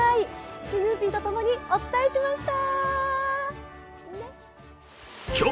スヌーピーとともにお伝えしました。